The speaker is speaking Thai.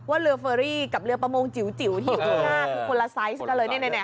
ว่าเรือฟุอรีกับเรือประมงจิ๋วจิ๋วที่อยู่ข้างหน้าคือคนละไซส์ก็เลยเนี่ยแน่